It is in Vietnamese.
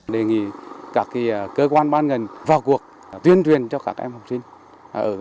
đề nghị các cơ quan ban ngành vào cuộc tuyên truyền cho các em học sinh